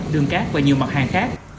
đường cát và nhiều mặt hàng khác